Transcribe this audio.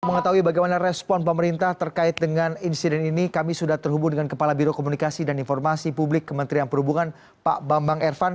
untuk mengetahui bagaimana respon pemerintah terkait dengan insiden ini kami sudah terhubung dengan kepala biro komunikasi dan informasi publik kementerian perhubungan pak bambang ervan